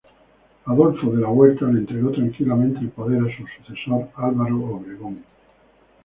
Adolfo de la Huerta le entregó tranquilamente el poder a su sucesor, Álvaro Obregón.